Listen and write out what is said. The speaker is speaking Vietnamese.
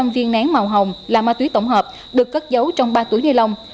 sáu trăm linh viên nén màu hồng là ma túy tổng hợp được cất giấu trong ba túi nê lông